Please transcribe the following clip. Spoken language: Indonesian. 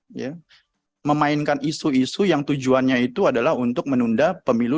mereka memainkan isu isu yang tujuannya itu adalah untuk menunda pemilu dua ribu dua puluh empat